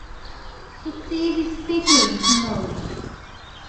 “It’s easy speaking,” he moaned.